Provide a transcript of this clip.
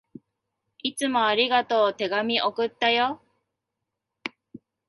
いつもありがとう。手紙、送ったよ。